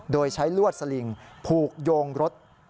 โดยใช้ลวดสลิงผูกโยงรถ